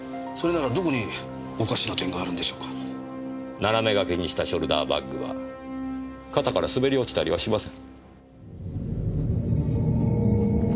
斜め掛けにしたショルダーバッグは肩から滑り落ちたりはしません。